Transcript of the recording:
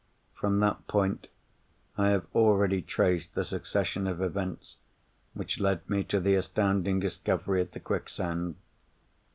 From that point, I have already traced the succession of events which led me to the astounding discovery at the quicksand.